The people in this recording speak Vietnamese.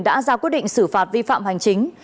đã ra quyết định xử phạt vi phạm hành chính